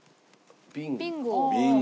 ビンゴ？